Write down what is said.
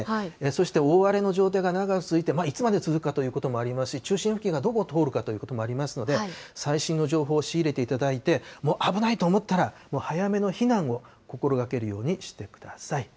そして大荒れの状態が長く続いて、いつまで続くかということもありますし、中心付近がどこを通るかということもありますので、最新の情報を仕入れていただいて、危ないと思ったら、もう早めの避難を心がけるようにしてください。